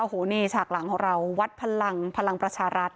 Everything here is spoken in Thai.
โอ้โหนี่ฉากหลังของเราวัดพลังพลังประชารัฐ